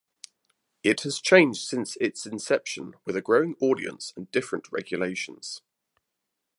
It has changed since its inception with a growing audience and different regulations.